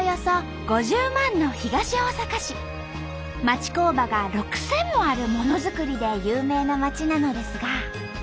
町工場が６，０００もあるモノづくりで有名な町なのですが